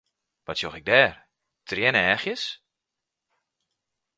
Wat sjoch ik dêr, trieneachjes?